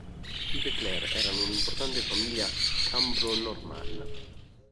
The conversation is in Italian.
I de Clare erano un'importante famiglia cambro-normanna.